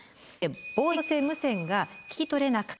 「防災行政無線が聞き取れなかった」